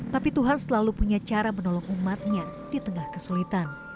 tapi tuhan selalu punya cara menolong umatnya di tengah kesulitan